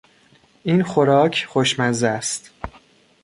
این خوراک خوشمزه است.